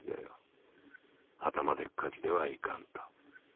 頭でっかちではいかんと。